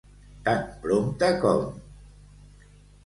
Tan prompte com.